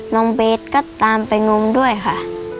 น้องเบสก็ตามไปงมด้วยค่ะ